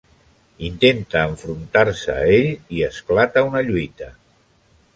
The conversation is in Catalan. Intenta enfrontar-se a ell, i esclata una lluita.